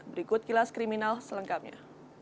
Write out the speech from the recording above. berikut kilas kriminal selengkapnya